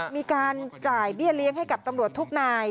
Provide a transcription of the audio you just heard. มีการจ่ายเบี้ยเลี้ยงให้กับตำรวจทุกนาย